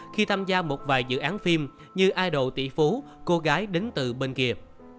khi tham gia một vài dự án phim như idol tỷ phú cô gái đến từ bên kìa